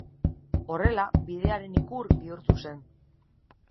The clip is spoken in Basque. Horrela, Bidearen ikur bihurtu zen.